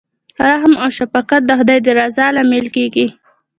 رحم او شفقت د خدای د رضا لامل کیږي.